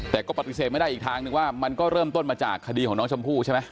แต่ก็ปฏิเสธไม่ได้อีกทางนึงว่ามันก็เริ่มต้นมาจากคดีของน้องชมพู่ใช่ไหม